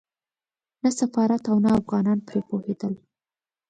نه سفارت او نه افغانان پرې پوهېدل.